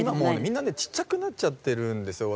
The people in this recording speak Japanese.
みんなでちっちゃくなっちゃってるんですよ。